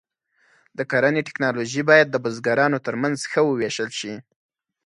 د کرنې ټکنالوژي باید د بزګرانو تر منځ ښه وویشل شي.